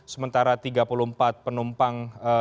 sementara tiga puluh empat penumpang